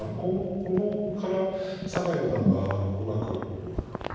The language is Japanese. ここから酒井四段がうまく。